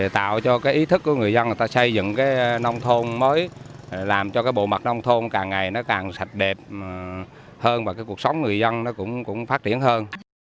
tạo cho ý thức của người dân xây dựng nông thôn mới làm cho bộ mặt nông thôn càng ngày càng sạch đẹp hơn và cuộc sống người dân cũng phát triển hơn